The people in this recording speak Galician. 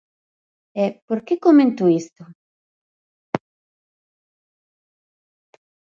E ¿por que comento isto?